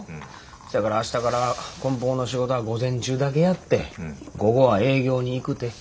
せやから明日からこん包の仕事は午前中だけやって午後は営業に行くて。